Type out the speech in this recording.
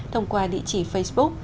thông qua địa chỉ facebook